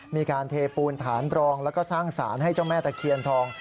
มีการเทปูนฐานบรองแล้วก็สร้างสารให้เจ้าแม่ตะเคียนทอง